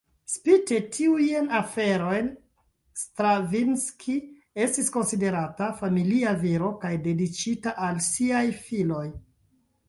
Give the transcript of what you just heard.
Spite tiujn aferojn, Stravinski estis konsiderata familia viro kaj dediĉita al siaj filoj.